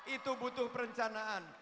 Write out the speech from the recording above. itu butuh perencanaan